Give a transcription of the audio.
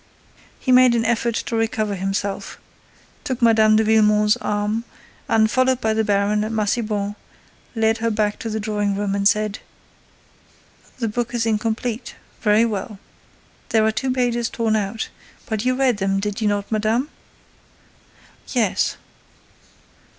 He made an effort to recover himself, took Mme. de Villemon's arm, and, followed by the baron and Massiban, led her back to the drawing room and said: "The book is incomplete. Very well. There are two pages torn out; but you read them, did you not, madame?" "Yes."